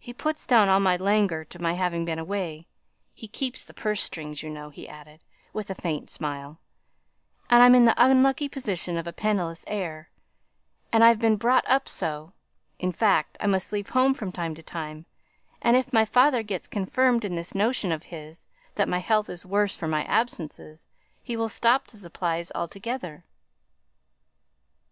He puts down all my languor to my having been away, he keeps the purse strings, you know," he added, with a faint smile, "and I'm in the unlucky position of a penniless heir, and I've been brought up so In fact, I must leave home from time to time, and, if my father gets confirmed in this notion of his that my health is worse for my absences, he'll stop the supplies altogether."